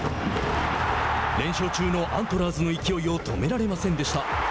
連勝中のアントラーズの勢いを止められませんでした。